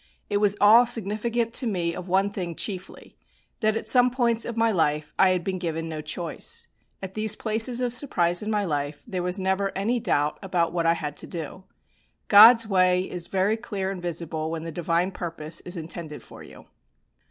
It was all significant to me of one thing chiefly, that at some points of my life I had been given no choice. At these places of surprise in my life there was never any doubt about what I had to do. God's way is very clear and visible when the Divine purpose is intended for you.